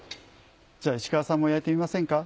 じゃあ石川さんも焼いてみませんか？